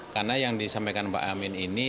karena yang disampaikan mbak amin ini